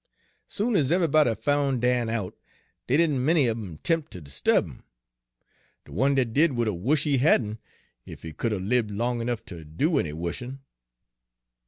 Soon ez eve'ybody foun' Dan Page 169 out, dey didn' many un 'em 'temp' ter 'sturb 'im. De one dat did would 'a' wush' he hadn', ef he could 'a' libbed long ernuff ter do any wushin'.